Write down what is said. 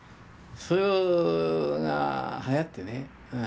それがはやってね